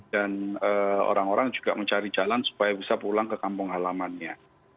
dan orang orang juga mencari jalan supaya bisa pulang ke kampung halamannya